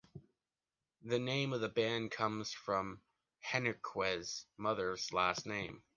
The name of the band comes from Henríquez’s mother’s last name.